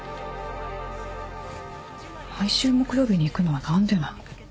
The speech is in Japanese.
毎週木曜日に行くのは何でなの？